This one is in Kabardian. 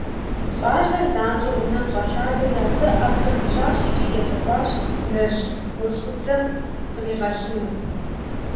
ЩӀалэр занщӀэу унэм щӀэлъадэри абы ӀэплӀэ хуищӀащ икӀи елъэӀуащ нэжьгъущӀыдзэм къригъэлыну.